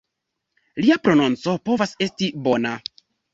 Lia prononco povas esti bona.